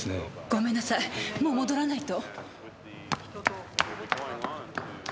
ごめんなさいもう戻らないと。